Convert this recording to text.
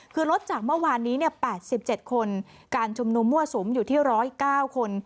คือลดจากเมื่อวานนี้๘๗คนการชุมนุมมั่วสุมอยู่ที่๑๐๙คน